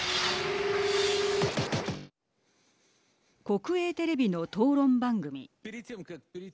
国営テレビの討論番組。